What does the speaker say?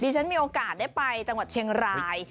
ฉันมีโอกาสได้ไปจังหวัดเชียงราย